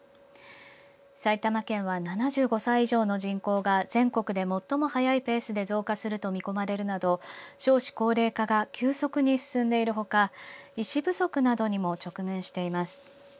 埼玉県は７５歳以上の人口が全国で最も速いペースで増加すると見込まれるなど少子高齢化が急速に進んでいるほか医師不足などにも直面しています。